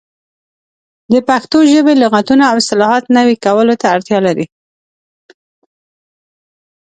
د پښتو ژبې لغتونه او اصطلاحات نوي کولو ته اړتیا لري.